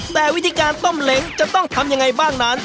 แต่วิธีการต้มเล้งจะต้องทำยังไงบ้างนั้น